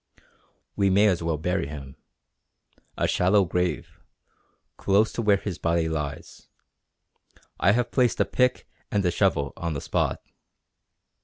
"We may as well bury him. A shallow grave, close to where his body lies. I have placed a pick and a shovel on the spot."